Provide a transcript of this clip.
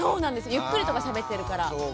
ゆっくりとかしゃべってるから。